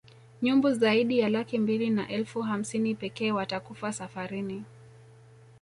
Nyumbu zaidi ya laki mbili na elfu hamsini pekee watakufa safarini